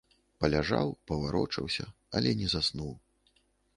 Паляжаў, паварочаўся, але не заснуў.